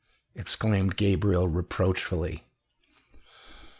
exclaimed Gabriel reproachfully.